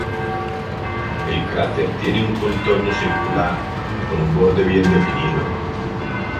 El cráter tiene un contorno circular, con un borde bien definido.